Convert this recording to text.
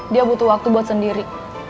dia butuh waktu buat sendiri